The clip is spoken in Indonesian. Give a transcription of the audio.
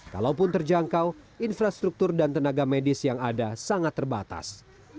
kalaupun terjangkau infrastruktur dan tenaga medis yang ada sangat terbatas